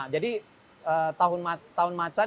jadi tahun macan